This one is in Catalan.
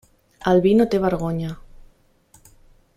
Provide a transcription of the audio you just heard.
El vi no té vergonya.